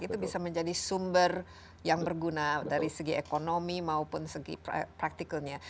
itu bisa menjadi sumber yang berguna dari segi ekonomi maupun segi praktikalnya